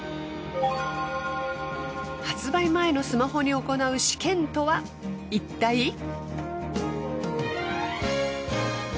発売前のスマホに行う試験とはいったい？